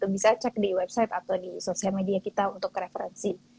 bisa cek di website atau di sosial media kita untuk referensi